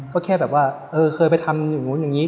ก็แค่แบบว่าเออเคยไปทำอย่างนู้นอย่างนี้